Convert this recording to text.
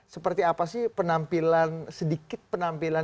seperti apa sih penampilan sedikit penampilan